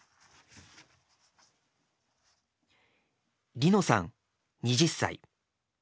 りのさん２０歳。